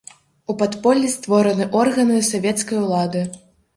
У падполлі створаны органы савецкай улады.